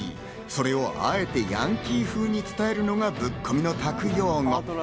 それをあえてヤンキー風に伝えるのが『特攻の拓』用語。